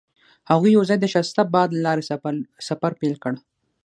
هغوی یوځای د ښایسته باد له لارې سفر پیل کړ.